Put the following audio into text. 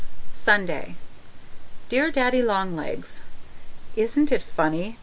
Sunday Dear Daddy Long Legs, Isn't it funny?